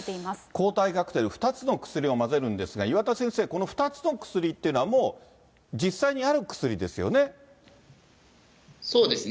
抗体カクテル、２つの薬を混ぜるんですが、岩田先生、この２つの薬っていうのはもう実際にある薬ですよね。